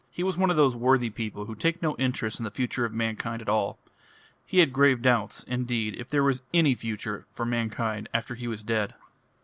He was one of those worthy people who take no interest in the future of mankind at all. He had grave doubts, indeed, if there was any future for mankind after he was dead.